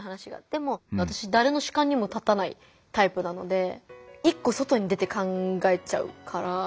でも私誰の主観にも立たないタイプなので一個外に出て考えちゃうから。